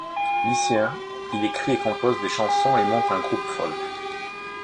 Lycéen, il écrit et compose des chansons et monte un groupe folk.